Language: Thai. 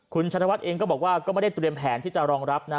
คุณชะนวัฒน์เองก็บอกว่าก็ไม่ได้เตรียมแผนที่จะรองรับนะ